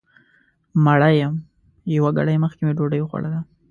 مړه یم یو ګړی مخکې مې ډوډۍ وخوړله